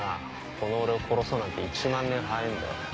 この俺を殺すなんて１万年早えぇんだよ。